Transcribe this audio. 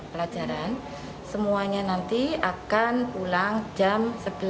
pelajaran semuanya nanti akan pulang jam sebelas tiga puluh